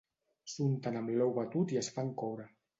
S'unten amb l'ou batut i es fan coure